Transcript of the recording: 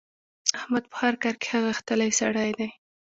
احمد په هر کار کې ښه غښتلی سړی دی.